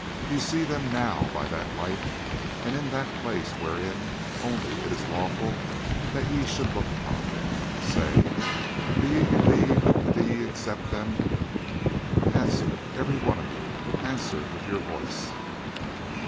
Ye see them now by that light and in that place wherein only it is lawful that ye should look upon them. Say, do ye believe and do ye accept them? Answer, every one of you, answer with your voice!"